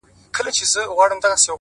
د هر مسجد و مخته پر سجده پروت وي!